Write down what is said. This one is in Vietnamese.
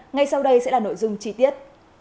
ngay sau đây sẽ là nội dung trí tiết